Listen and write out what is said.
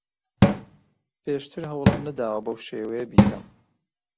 پێشتر هەوڵم نەداوە بەو شێوەیە بیکەم.